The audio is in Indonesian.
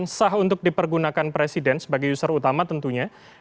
sah untuk dipergunakan presiden sebagai user utama tentunya